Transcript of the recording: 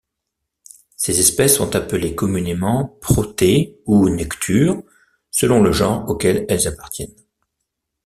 Ces espèces sont appelées communément protée ou necture selon le genre auquel elles appartiennent.